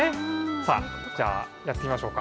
さあ、じゃあ、やってみましょうか。